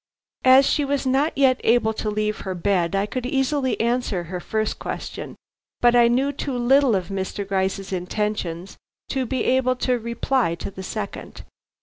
As she was not yet able to leave her bed I could easily answer her first question, but I knew too little of Mr. Gryce's intentions to be able to reply to the second.